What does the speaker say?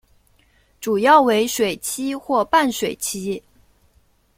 主要为水栖或半水栖。